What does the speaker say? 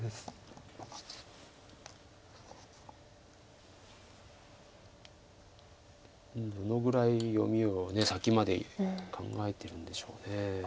どのぐらい読みを先まで考えてるんでしょう。